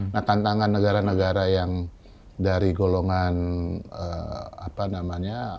nah tantangan negara negara yang dari golongan apa namanya